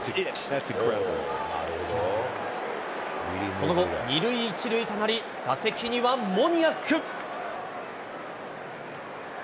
その後、２塁１塁となり、打席にはモニアック。